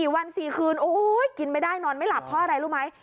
๔วัน๔คืนกินไม่ได้นอนไม่หลับเพราะอะไรรู้ไหม